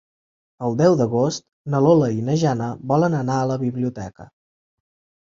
El deu d'agost na Lola i na Jana volen anar a la biblioteca.